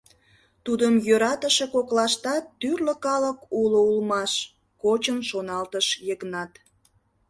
«Тудым йӧратыше коклаштат тӱрлӧ калык уло улмаш, — кочын шоналтыш Йыгнат.